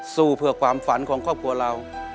สู้เพื่อความฝันของครอบครัวเรา